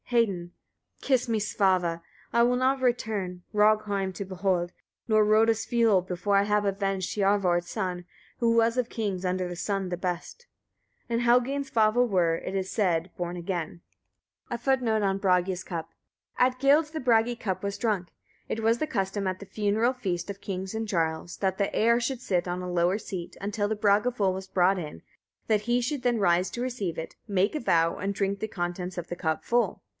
Hedin. 43. Kiss me, Svava! I will not return, Rogheim to behold, nor Rodulsfioll, before I have avenged Hiorvard's son, who was of kings under the sun the best. Helgi and Svava were, it is said, born again. FOOTNOTES: [Footnote 48: At guilds the Bragi cup (Bragafull) was drunk. It was the custom at the funeral feast of kings and jarls, that the heir should sit on a lower seat, until the Bragafull was brought in, that he should then rise to receive it, make a vow, and drink the contents of the cup (full).